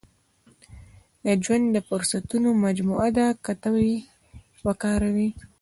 • ژوند د فرصتونو مجموعه ده، که ته یې وکاروې.